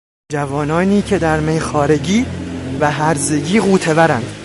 جوانانی که در میخوارگی و هرزگی غوطه ورند